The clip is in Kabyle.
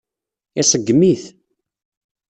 Iṣeggem-it.